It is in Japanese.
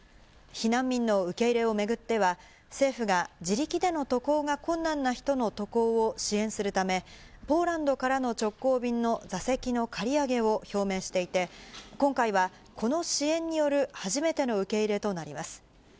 避難民の受け入れを巡っては、政府が、自力での渡航が困難な人の渡航を支援するため、ポーランドからの直行便の座席の借り上げを表明していて、今回はこの支援による初めての受け入れとなります。